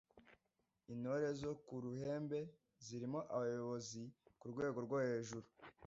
Intore zo ku ruhembe:zirimo abayobozi kurwego rwohejuru